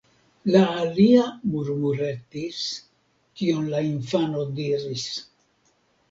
la alia murmuretis, kion la infano diris.